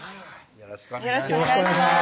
よろしくお願いします